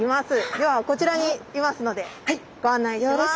ではこちらにいますのでご案内します。